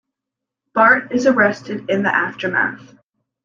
Bart is arrested in the aftermath.